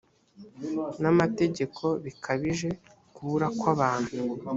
n amategeko bikabije kubura kw abantu